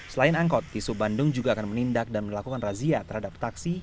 selain angkut di sub bandung juga akan menindak dan melakukan razia terhadap taksi